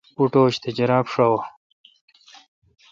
پوٹوش تہ جراب شاوہ۔